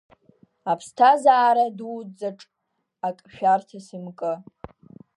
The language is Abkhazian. Аԥсҭазаара дуӡӡаҿ ак шәарҭас имкы…